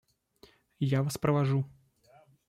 Я вас провожу.